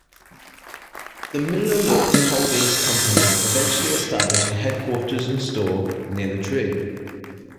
The Miller-Lux holdings company eventually established a headquarters and store near the tree.